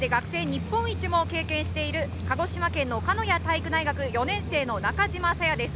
５０００ｍで学生日本一も経験している鹿児島県鹿屋体育大学４年生の中島紗弥です。